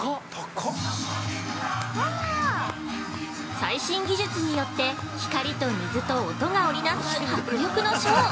◆最新技術によって光と水と音が織りなす迫力のショー。